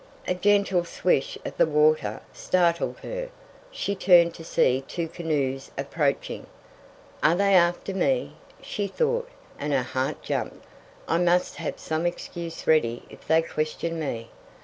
A gentle swish of the water startled her. She turned to see two canoes approaching! "Are they after me?" she thought, and her heart jumped. "I must have some excuse ready if they question me.